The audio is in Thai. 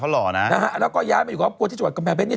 แล้วก็ย้ายไปอยู่ครอบครัวที่จังหวัดกำแพงเพชรเนี่ย